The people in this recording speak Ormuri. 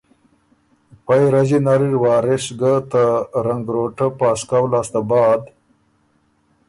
پئ رݫي نر اِر وارث خان ګه ته رنګروټه پاسکؤ لاسته بعد